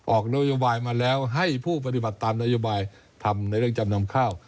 ออกนโยบายมาแล้วให้ผู้ปฏิบัติตามนโยบายทำในเรื่องจำนำข้าว